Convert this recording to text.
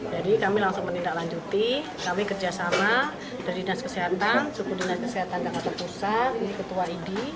jadi kami langsung menindaklanjuti kami kerjasama dari dinas kesehatan sukudinat kesehatan jakarta pusat ini ketua id